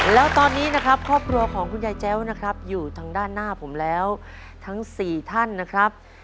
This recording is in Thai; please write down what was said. แล้วตอนนี้นะครับครอบครัวของคุณยายแจ้วนะครับอยู่ทางด้านหน้าผมแล้วทั้ง๔ท่านนะครับ